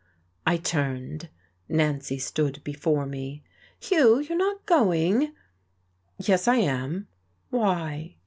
I turned. Nancy stood before me. "Hugh, you're not going!" "Yes, I am." "Why?"